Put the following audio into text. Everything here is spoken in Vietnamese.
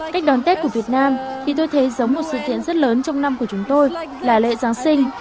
cách đón tết của việt nam thì tôi thấy giống một sự kiện rất lớn trong năm của chúng tôi là lễ giáng sinh